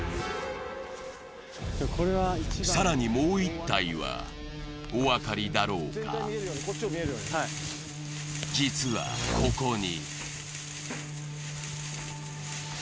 更にもう一体はお分かりだろうか、実はここに。